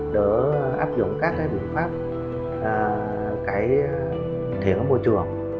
để áp dụng các biện pháp thiện ở môi trường